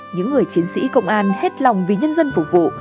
những người chiến sĩ công an hết lòng vì nhân dân phục vụ